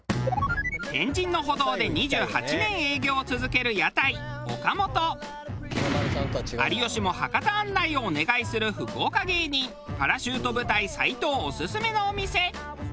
天神の歩道で２８年営業を続ける有吉も博多案内をお願いする福岡芸人パラシュート部隊斉藤オススメのお店。